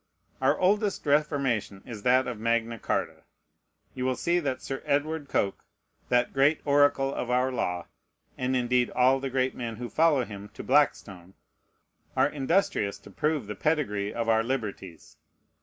Our oldest reformation is that of Magna Charta. You will see that Sir Edward Coke, that great oracle of our law, and indeed all the great men who follow him, to Blackstone, are industrious to prove the pedigree of our liberties.